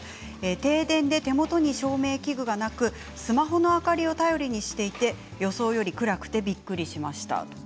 停電で手元に明かりがなくスマホの明かりを頼りにしていて予想より暗くてびっくりしました。